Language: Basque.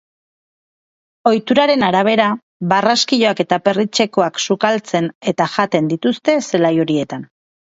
Ohituraren arabera, barraskiloak eta perretxikoak sukaltzen eta jaten dituzte zelai horietan.